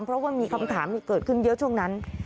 เพราะว่ามีคำถามเกิดขึ้นเยอะช่วงนั้น